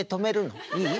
いい？